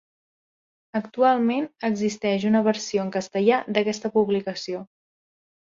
Actualment existeix una versió en castellà d'aquesta publicació.